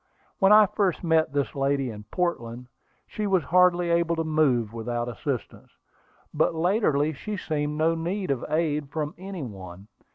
When I first met this lady in Portland, she was hardly able to move without assistance; but latterly she seemed to need no aid from any one.